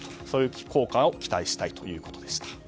そういう効果を期待したいということでした。